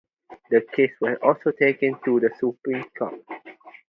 The case was also taken to Supreme court.